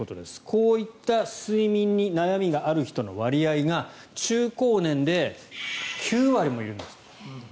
こういった睡眠に悩みがある人の割合が中高年で９割もいるんです。